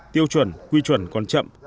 tiêu chuẩn quy chuẩn còn chậm